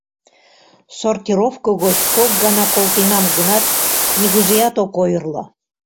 Сортировко гоч кок гана колтенам гынат — нигузеат ок ойырло.